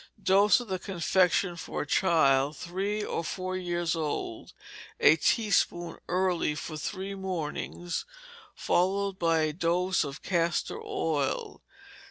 Dose of the confection, for a child three or four years old, a teaspoonful early, for three mornings, followed by a dose of castor oil.